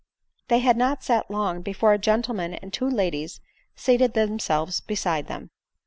They had not sat long before a gentleman and two ladies seat ed themselves beside them.